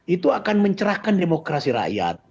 itu akan mencerahkan demokrasi rakyat